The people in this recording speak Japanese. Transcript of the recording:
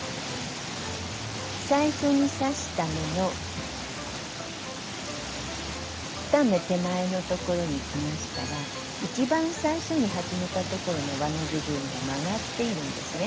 最初に刺した目の２目手前のところにきましたら一番最初に始めたところのわの部分が曲がっているんですね。